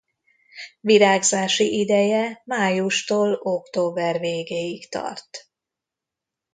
Virágzási ideje májustól október végéig tart.